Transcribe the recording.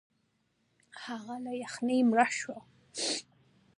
هغه له یخنۍ مړ شو.